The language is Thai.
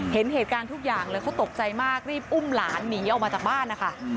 เห็นเหตุการณ์ทุกอย่างเลยเขาตกใจมากรีบอุ้มหลานหนีออกมาจากบ้านนะคะ